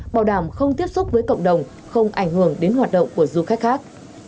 bảo đảm không tiếp xúc với cộng đồng không ảnh hưởng đến hoạt động của du khách khác